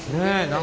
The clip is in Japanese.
何？